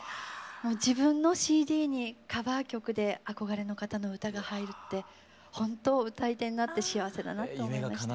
自分のＣＤにカバー曲で憧れの方の歌が入るってほんと歌い手になって幸せだなと思いました。